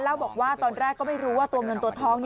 บอกว่าตอนแรกก็ไม่รู้ว่าตัวเงินตัวทอง